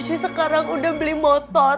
sekarang udah beli motor